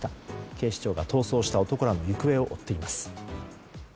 警視庁が逃走した男らの行方を追っています。